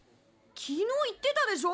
昨日言ってたでしょ！？